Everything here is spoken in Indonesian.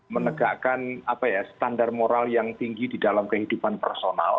menegakkan standar moral yang tinggi di dalam kehidupan personal